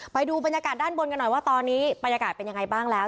ไปดูบรรยากาศด้านบนกันหน่อยว่าตอนนี้บรรยากาศเป็นยังไงบ้างแล้ว